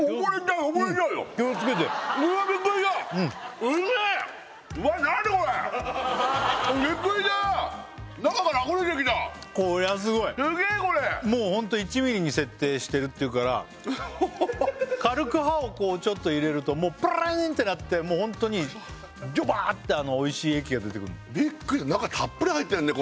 うわっ気をつけて何だこれビックリした中からあふれてきたこれはすごいすげえこれもうホント１ｍｍに設定してるっていうから軽く歯をちょっと入れるとパリーンってなってもうホントにジュバーっておいしい液が出てくるのビックリ中たっぷり入ってんね